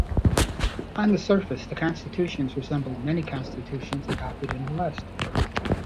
On the surface, the constitutions resembled many constitutions adopted in the West.